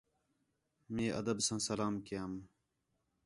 مئے ادب ساں سلام کیام